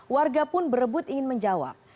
warga pun berebut ingin menjawab